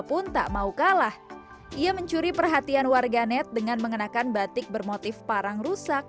pun tak mau kalah ia mencuri perhatian warganet dengan mengenakan batik bermotif parang rusak